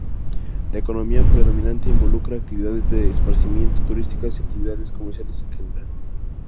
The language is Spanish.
La economía predominante involucra actividades de esparcimiento, turísticas y actividades comerciales en general.